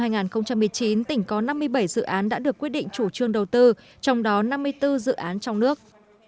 năm hai nghìn một mươi chín tỉnh có năm mươi bảy dự án đã được quyết định chủ trương đầu tư trong đó năm mươi bốn dự án trong nước